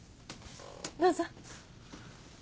どうぞ。